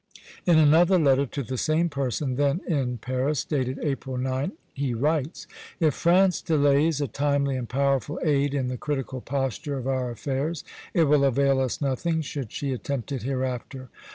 In another letter to the same person, then in Paris, dated April 9, he writes: "If France delays a timely and powerful aid in the critical posture of our affairs, it will avail us nothing, should she attempt it hereafter....